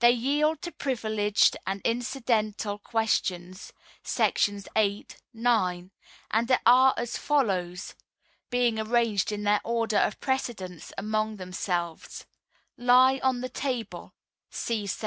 They yield to Privileged and Incidental Questions [§§ 8, 9], and are as follows (being arranged in their order of precedence among themselves): Lie on the Table ………………..